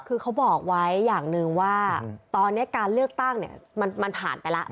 คือเขาบอกไว้อย่างหนึ่งว่าตอนนี้การเลือกตั้งเนี่ยมันผ่านไปแล้ว